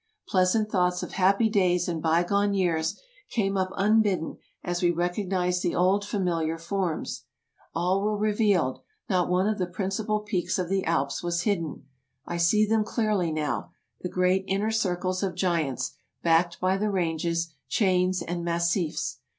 Pleasant thoughts of happy days in bygone years came up unbidden as we recognized the old, familiar forms. All were revealed — not one of the principal peaks of the Alps was hidden. I see them clearly now — the great inner circles of giants, backed by the ranges, chains and massifs.